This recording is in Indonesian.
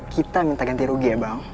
kita minta ganti rugi ya bang